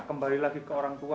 kembali lagi ke orang tua